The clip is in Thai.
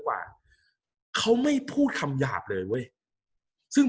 กับการสตรีมเมอร์หรือการทำอะไรอย่างเงี้ย